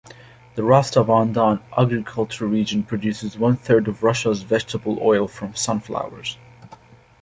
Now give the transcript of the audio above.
The Rostov-on-Don agricultural region produces one-third of Russia's vegetable oil from sunflowers.